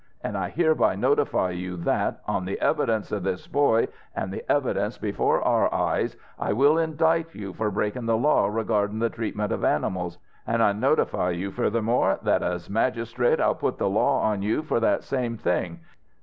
An' I hereby notify you that, on the evidence of this boy, an' the evidence before our eyes, I will indict you for breakin' the law regardin' the treatment of animals; an' I notify you, furthermore, that as magistrate I'll put the law on you for that same thing.